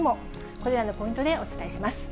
これらのポイントでお伝えします。